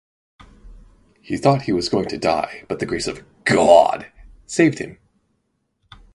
He thought he was going to die but the grace of God saved him.